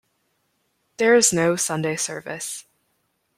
There is no Sunday service.